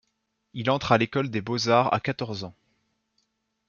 Il entre à l'école des Beaux-Arts à quatorze ans.